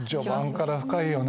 序盤から深いよね。